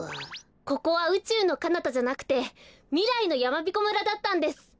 ここはうちゅうのかなたじゃなくてみらいのやまびこ村だったんです。